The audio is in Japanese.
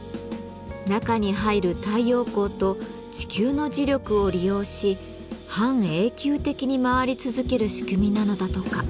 中に入る太陽光と地球の磁力を利用し半永久的に回り続ける仕組みなのだとか。